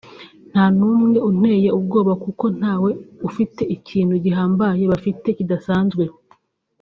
“Nta n’umwe unteye ubwoba kuko ntawe ufite ikintu gihambaye bafite kidasanzwe